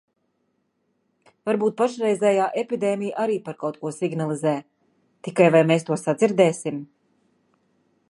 Varbūt pašreizējā epidēmija arī par kaut ko signalizē. Tikai – vai mēs to sadzirdēsim?